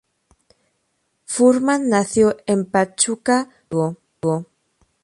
Furman nació en Pachuca, Hidalgo.